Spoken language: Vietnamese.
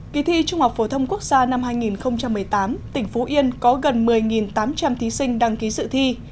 kỳ thi trung học phổ thông quốc gia năm hai nghìn một mươi tám tỉnh phú yên có gần một mươi tám trăm linh thí sinh đăng ký sự thi